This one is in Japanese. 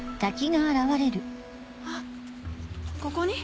あここに？